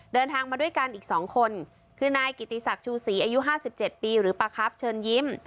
เดินทางมาด้วยกันอีก๒คนคือนายกิติศักดิ์ชูศรีอายุ๕๗ปีหรือปลาครับเชิญยิ้ม